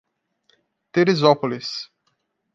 Teresópolis